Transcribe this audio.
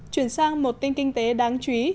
chuyển sang một tin kinh tế đáng chú ý